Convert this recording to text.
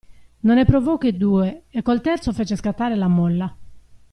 Non ne provò che due e col terzo fece scattare la molla.